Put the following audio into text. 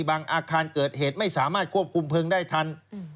อาคารเกิดเหตุไม่สามารถควบคุมเพลิงได้ทัน